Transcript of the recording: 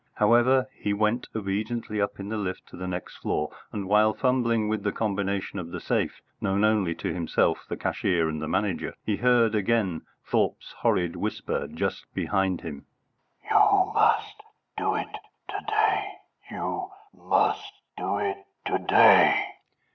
However, he went obediently up in the lift to the next floor, and while fumbling with the combination of the safe, known only to himself, the cashier, and the Manager, he again heard Thorpe's horrid whisper just behind him: "You must do it to day! You must do it to day!"